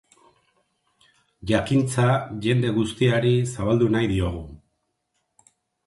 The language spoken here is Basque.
Jakintza jende guztiari zabaldu nahi diogu.